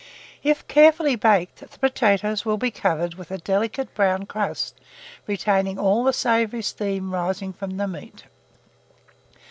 If carefully baked, the potatoes will be covered with a delicate brown crust, retaining all the savoury steam rising from the meat.